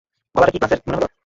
গলাটা কি ফ্ল্যাচের মনে হলো?